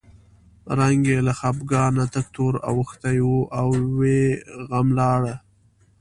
رنګ یې له خپګانه تک تور اوښتی و او یې غم لاره.